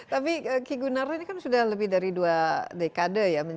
tapi kik gunar ini kan sudah lebih dari dua dekade ya menjelaskan